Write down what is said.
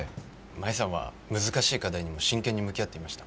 舞さんは難しい課題にも真剣に向き合っていました。